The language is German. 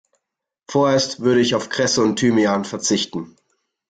Vorerst würde ich auf Kresse und Thymian verzichten.